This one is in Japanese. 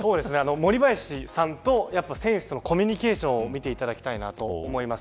森林さんと選手とのコミュニケーションを見ていただきたいなと思います。